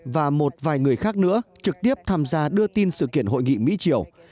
và một vài người khác nữa trực tiếp tham gia đưa tin sự kiện hội nghị mỹ triều